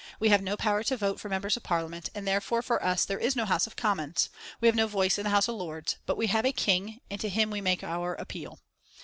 We have no power to vote for Members of Parliament, and therefore for us there is no House of Commons. We have no voice in the House of Lords. But we have a King, and to him we make our appeal.